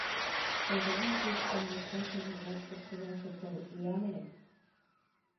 Тылзылан кеч каналташыже лапчык коваште Пыл — лиям ыле.